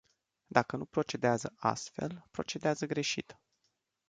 Dacă nu procedează astfel, procedează greșit.